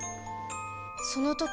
その時